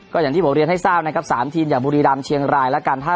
ก็อย่างที่พวกเรียนให้ทราบนะครับสามทีมอย่างบุรีดรามเชียงราย